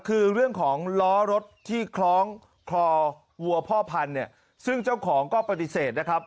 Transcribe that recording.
คือเรื่องของล้อรถที่คล้องคอวัวพ่อพันธุ์เนี่ยซึ่งเจ้าของก็ปฏิเสธนะครับ